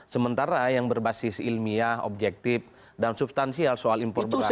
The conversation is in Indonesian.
sementara yang berbasis ilmiah objektif dan substansial soal impor beras